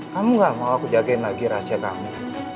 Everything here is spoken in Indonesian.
kamu gak mau aku jagain lagi rahasia kamu